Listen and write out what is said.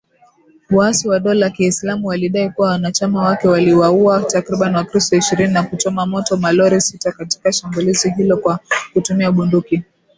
Waasi wa dola ya kiislamu walidai kuwa wanachama wake waliwauwa takribani wakristo ishirini na kuchoma moto malori sita katika shambulizi hilo kwa kutumia bunduki